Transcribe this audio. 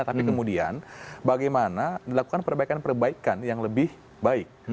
tapi kemudian bagaimana dilakukan perbaikan perbaikan yang lebih baik